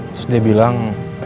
terus dia bilang